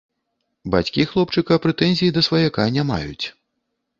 Бацькі хлопчыка прэтэнзій да сваяка не маюць.